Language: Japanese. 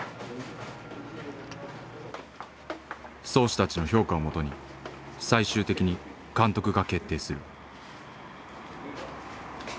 漕手たちの評価をもとに最終的に監督が決定する。